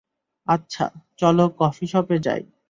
আচ্ছা, চলো কফিশপে যাই।